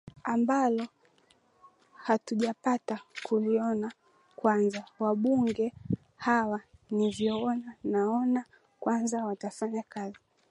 ambalo hatujapata kuliona kwanza wabunge hawa ninavyoona naona kwanza watafanya kazi